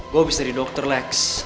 gua habis dari dokter lex